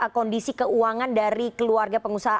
kondisi keuangan dari keluarga pengusaha